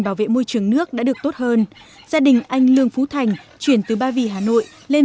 bảo vệ môi trường nước đã được tốt hơn gia đình anh lương phú thành chuyển từ ba vì hà nội lên